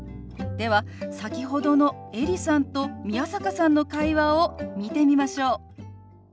では先ほどのエリさんと宮坂さんの会話を見てみましょう。